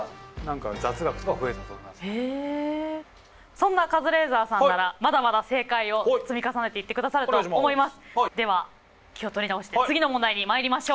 そんなカズレーザーさんならまだまだ正解を積み重ねていってくださると思います。